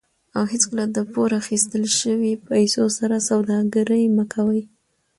او هیڅکله د پور اخیستل شوي پیسو سره سوداګري مه کوئ.